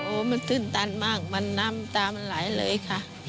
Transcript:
มันตื่นตันมากมันน้ำตามันไหลเลยค่ะ